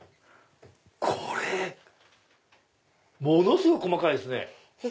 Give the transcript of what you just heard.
これものすごく細かいですね。